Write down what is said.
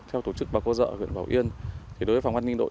theo tổ chức bà cô dợ ở huyện bảo yên thì đối với phòng an ninh đội